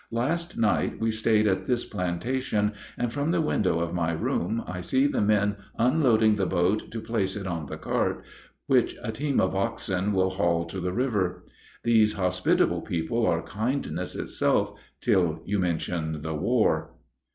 Last night we stayed at this plantation, and from the window of my room I see the men unloading the boat to place it on the cart, which a team of oxen will haul to the river. These hospitable people are kindness itself, till you mention the war.